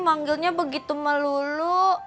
manggilnya begitu melulu